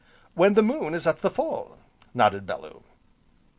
"When the moon is at the full!" nodded Bellew.